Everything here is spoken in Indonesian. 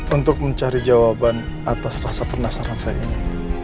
untuk mencari jawaban atas rasa penasaran saya ini